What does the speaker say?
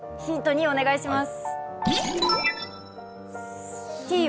２お願いします。